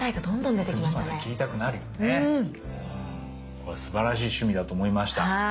これすばらしい趣味だと思いました。